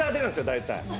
大体。